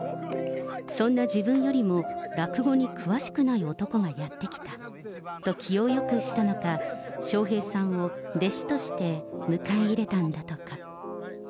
そんな自分よりも落語に詳しくない男がやって来たと気をよくしたのか、笑瓶さんを弟子として迎え入れたんだとか。